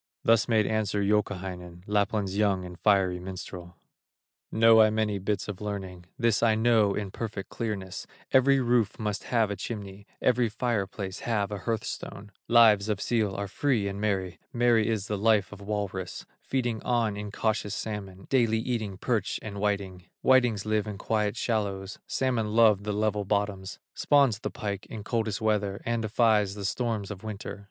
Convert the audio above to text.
Thus made answer Youkahainen, Lapland's young and fiery minstrel: "Know I many bits of learning, This I know in perfect clearness: Every roof must have a chimney, Every fire place have a hearth stone; Lives of seal are free and merry, Merry is the life of walrus, Feeding on incautious salmon, Daily eating perch and whiting; Whitings live in quiet shallows, Salmon love the level bottoms; Spawns the pike in coldest weather, And defies the storms of winter.